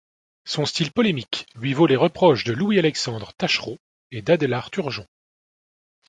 Son style polémique lui vaut les reproches de Louis-Alexandre Taschereau et d'Adélard Turgeon.